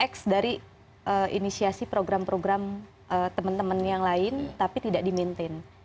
x dari inisiasi program program teman teman yang lain tapi tidak di maintain